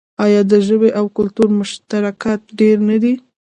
آیا د ژبې او کلتور مشترکات ډیر نه دي؟